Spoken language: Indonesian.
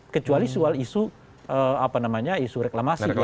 kecuali soal isu apa namanya isu reklamasi